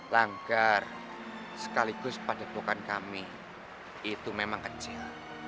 langgar sekaligus pada dukan kami itu memang kecil